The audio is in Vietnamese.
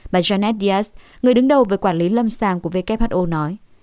bà jeanette diaz người đứng đầu với quản lý lâm sàng của who nói